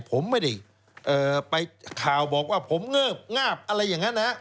ผมไม่ได้ไปข่าวบอกว่าผมเงิบงาบอะไรอย่างนั้นนะ